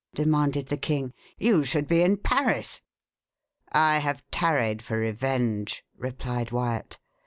demanded the king. "You should be in Paris." "I have tarried for revenge," replied Wyat.